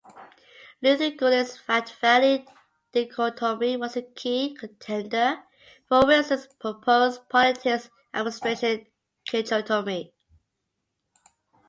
Luther Gulick's fact-value dichotomy was a key contender for Wilson's proposed politics-administration dichotomy.